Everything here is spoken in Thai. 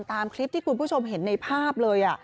ตามคลิปที่คุณผู้ชมเห็นในภาพเลย